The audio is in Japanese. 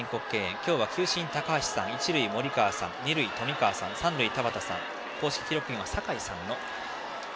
今日は球審が高橋さん一塁が森川さん、二塁が冨川さん三塁が田端さん公式記録員は酒井さんです。